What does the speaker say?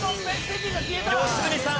良純さん